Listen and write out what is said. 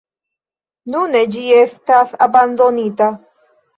Nune ĝi estas abandonita.